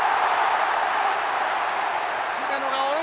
姫野が追う。